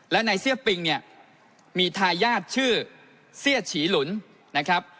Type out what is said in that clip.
และในเสื้อปิงเนี่ยมีทายาทชื่อเสี้ยฉีหลุนนะครับ